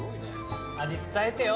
味伝えてよ。